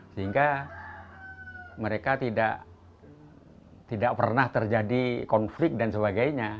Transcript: sehingga mereka tidak pernah terjadi konflik dan sebagainya